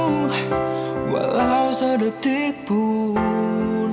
karena kau begitu mu